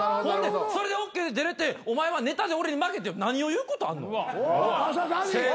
ほんでそれでＯＫで出れてお前はネタで俺に負けて何を言うことあんの？